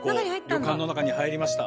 旅館の中に入りました。